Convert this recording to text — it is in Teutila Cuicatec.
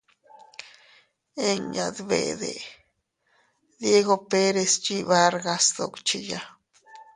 Inña dbede, Diego Pérez yiʼi Vargas sduckhiya.